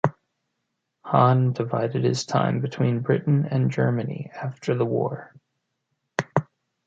Hahn divided his time between Britain and Germany after the war.